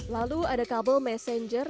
lalu ada kabel messenger